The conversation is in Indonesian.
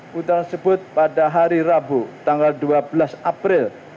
putra sebut pada hari rabu tanggal dua belas april